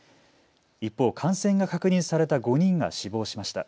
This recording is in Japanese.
一方、感染が確認された５人が死亡しました。